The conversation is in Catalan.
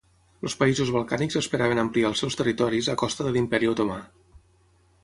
Els països balcànics esperaven ampliar els seus territoris a costa de l'Imperi Otomà.